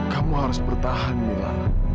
kamu harus bertahan mila